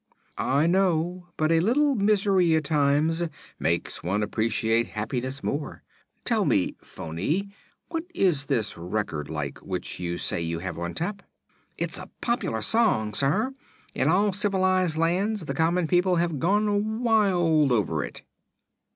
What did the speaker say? "I know. But a little misery, at times, makes one appreciate happiness more. Tell me, Phony, what is this record like, which you say you have on tap?" "It's a popular song, sir. In all civilized lands the common people have gone wild over it."